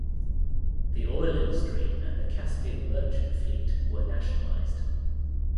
The oil industry and the Caspian Merchant Fleet were nationalized.